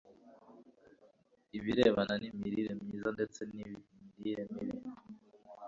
ibirebana n'imirire myiza ndetse n'imirire mibi